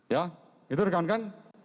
ya itu rekan rekan